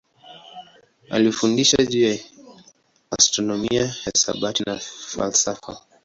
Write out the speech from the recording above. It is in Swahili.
Alifundisha juu ya astronomia, hisabati na falsafa.